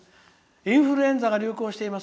インフルエンザが流行しています。